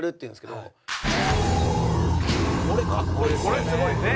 「これすごいよね」